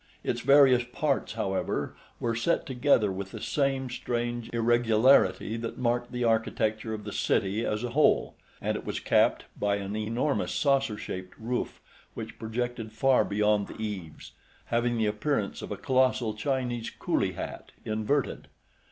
Its various parts, however, were set together with the same strange irregularity that marked the architecture of the city as a whole; and it was capped by an enormous saucer shaped roof which projected far beyond the eaves, having the appearance of a colossal Chinese coolie hat, inverted.